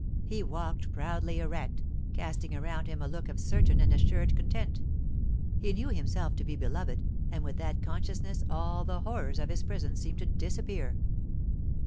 He walked proudly erect, casting around him a look of certain and assured content; he knew himself to be beloved, and with that consciousness all the horrors of his prison seemed to disappear.